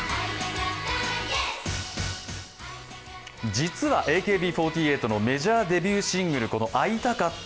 実はＡＫＢ４８のメジャーデビューシングル「会いたかった」